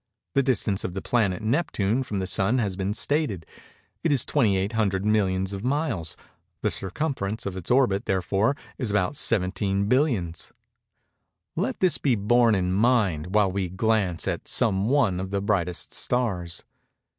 The distance of the planet Neptune from the Sun has been stated:—it is 28 hundred millions of miles; the circumference of its orbit, therefore, is about 17 billions. Let this be borne in mind while we glance at some one of the brightest stars.